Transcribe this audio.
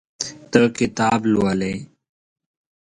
ته کتاب لولې.